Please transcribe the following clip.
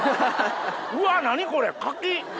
うわっ何これ柿！